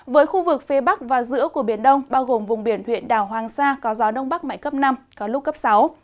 với khu vực phía bắc và giữa của biển đông bao gồm vùng biển huyện đảo hoàng sa có gió đông bắc mạnh cấp năm có lúc cấp sáu